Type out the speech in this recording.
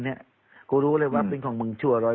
เพราะว่าตอนแรกมีการพูดถึงนิติกรคือฝ่ายกฎหมาย